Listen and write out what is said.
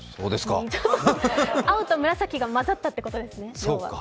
青と紫が混ざったということですね。